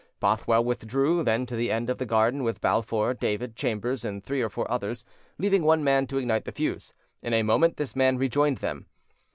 Bothwell withdrew, then, to the end of the garden with Balfour, David, Chambers, and three or four others, leaving one man to ignite the fuse. In a moment this man rejoined them.